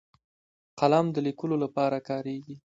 قلم د لیکلو لپاره کارېږي